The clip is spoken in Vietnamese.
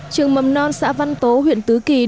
trường mầm non xã văn tố huyện tứ kỳ